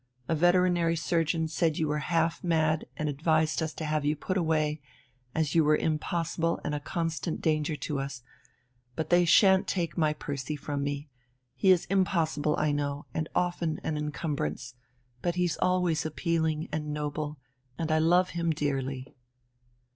A veterinary surgeon said you were half mad and advised us to have you put away, as you were impossible and a constant danger to us. But they shan't take my Percy from me. He is impossible, I know, and often an incumbrance, but he's always appealing and noble, and I love him dearly."